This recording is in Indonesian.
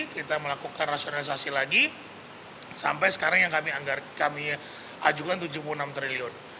kita melakukan rasionalisasi lagi sampai sekarang yang kami ajukan tujuh puluh enam triliun